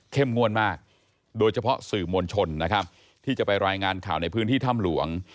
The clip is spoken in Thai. งวดมากโดยเฉพาะสื่อมวลชนนะครับที่จะไปรายงานข่าวในพื้นที่ถ้ำหลวง